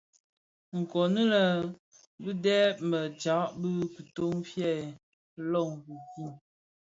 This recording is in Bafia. Nkongi lè bidheb më jaň i kiton fee loňkin.